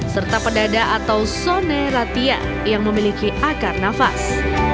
serta pedada atau sone ratia yang memiliki akar nafas